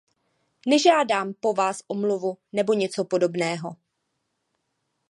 Nežádám po vás omluvu nebo něco podobného.